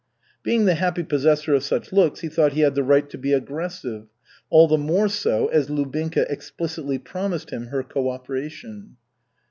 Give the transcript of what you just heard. $/ Being the happy possessor of such looks he thought he had the right to be aggressive, all the more so as Lubinka explicitly promised him her cooperation.